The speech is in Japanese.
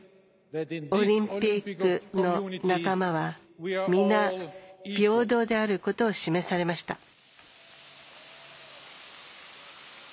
オリンピックの仲間は皆、平等であることが示されました。